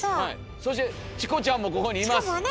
そしてチコちゃんもここにいます。